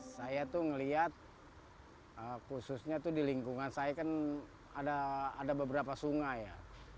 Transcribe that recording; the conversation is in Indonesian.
saya tuh ngelihat khususnya di lingkungan saya kan ada beberapa sungai ya